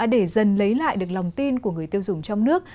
để dần lấy lại được lòng tin của người tiêu dùng trong nước